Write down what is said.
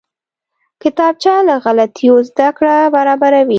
کتابچه له غلطیو زده کړه برابروي